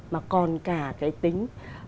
mà còn cả cái tính